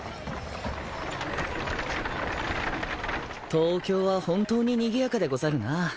東京は本当ににぎやかでござるな。